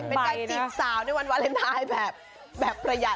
เป็นการจีบสาวในวันวาเลนไทยแบบประหยัด